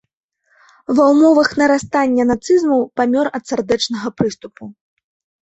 Ва ўмовах нарастання нацызму памёр ад сардэчнага прыступу.